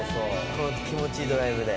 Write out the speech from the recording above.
この気持ちいいドライブで。